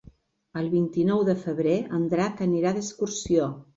El vint-i-nou de febrer en Drac anirà d'excursió.